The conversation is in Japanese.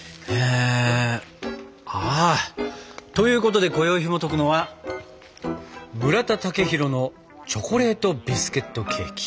ああ！ということでこよいひもとくのは村田雄浩のチョコレートビスケットケーキ。